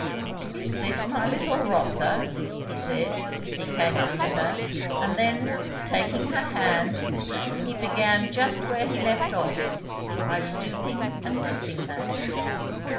"Is this my little Rotha?" he said as he came up to her; and then, taking her hand, he began just where he left off, by stooping and kissing her.